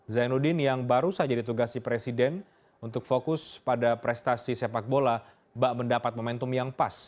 zainuddin yang baru saja ditugasi presiden untuk fokus pada prestasi sepak bola bak mendapat momentum yang pas